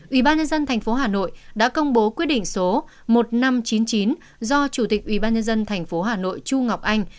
ubnd tp hà nội đã công bố quyết định số một nghìn năm trăm chín mươi chín do chủ tịch ubnd tp hà nội chu ngọc anh